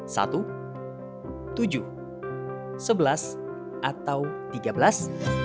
satu tujuh sebelas atau tiga belas